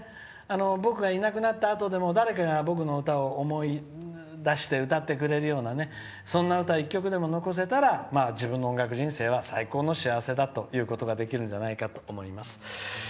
僕がいなくなったあとでも誰かが僕の歌を思い出して歌ってくれるようなそんな歌を１曲でも残せたら自分の音楽人生は最高の幸せだということができるんじゃないかと思います。